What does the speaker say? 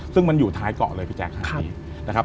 ซึ่งมันอยู่ท้ายเกาะเลยพี่แจกคราวนี้